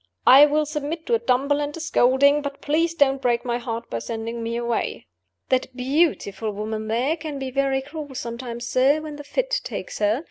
I will submit to a tumble and a scolding but please don't break my heart by sending me away. That beautiful woman there can be very cruel sometimes, sir, when the fit takes her.